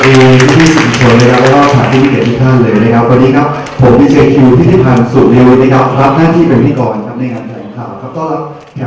เดี๋ยวก่อนอื่นเลยนะครับพี่แม่งคุณอีกลำซอสครับได้ทั้งท้าย